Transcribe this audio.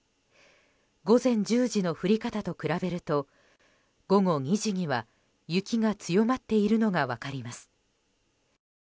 午前１０時の降り方と比べると午後２時には雪が強まっているのが分かります。